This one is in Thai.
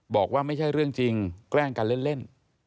บอกว่าไม่ใช่เรื่องจริงแกล้งกันเล่น